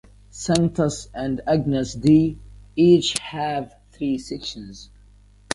Sanctus and Agnus Dei each have three sections.